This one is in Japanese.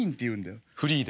フリーで。